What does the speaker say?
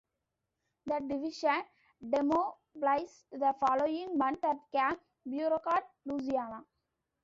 The division demobilized the following month at Camp Beauregard, Louisiana.